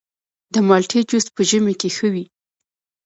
د مالټې جوس په ژمي کې ښه وي.